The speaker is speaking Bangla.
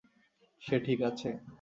সে ঠিক আছে?